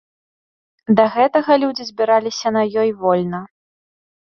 Да гэтага людзі збіраліся на ёй вольна.